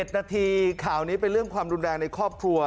นาทีข่าวนี้เป็นเรื่องความรุนแรงในครอบครัว